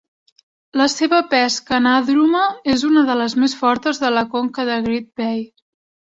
La seva pesca anàdroma és una de les més fortes de la conca de Great Bay.